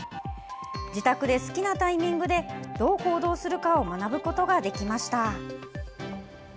自宅で好きなタイミングでどう行動するかを学ぶことができました。